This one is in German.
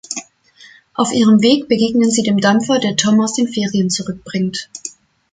Auf ihrem Weg begegnen sie dem Dampfer, der Tom aus den Ferien zurückbringt.